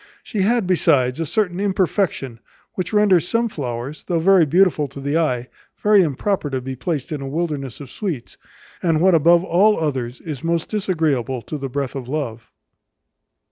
She had, besides, a certain imperfection, which renders some flowers, though very beautiful to the eye, very improper to be placed in a wilderness of sweets, and what above all others is most disagreeable to the breath of love.